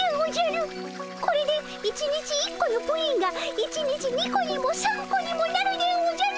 これで１日１個のプリンが１日２個にも３個にもなるでおじゃる！